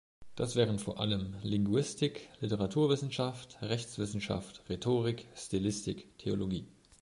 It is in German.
Das wären vor allem: Linguistik, Literaturwissenschaft, Rechtswissenschaft, Rhetorik, Stilistik, Theologie.